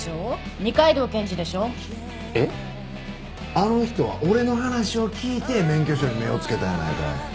あの人は俺の話を聞いて免許証に目をつけたんやないかい。